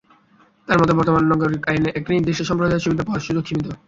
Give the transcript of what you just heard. তাঁর মতে, বর্তমান নাগরিক আইনে একটি নির্দিষ্ট সম্প্রদায়ের সুবিধা পাওয়ার সুযোগ সীমিত।